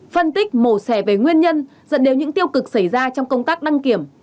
phân tích mổ xẻ về nguyên nhân dẫn đến những tiêu cực xảy ra trong công tác đăng kiểm